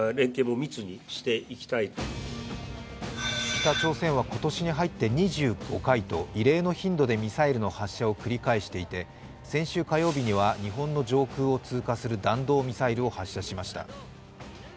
北朝鮮は今年に入って２５回と異例の頻度でミサイルの発射を繰り返していて先週火曜日には日本の上空を通過する弾道ミサイルを発射しました。